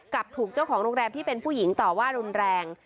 ถูกเจ้าของโรงแรมที่เป็นผู้หญิงต่อว่ารุนแรง